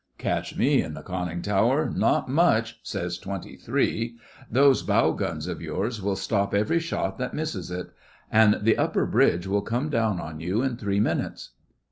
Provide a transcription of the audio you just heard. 'Catch me in the conning tower! Not much!' says Twenty Three. 'Those bow guns of yours will stop every shot that misses it; an' the upper bridge will come down on you in three minutes.